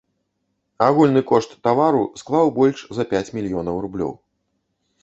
Агульны кошт тавару склаў больш за пяць мільёнаў рублёў.